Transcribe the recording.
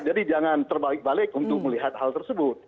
jadi jangan terbalik balik untuk melihat hal tersebut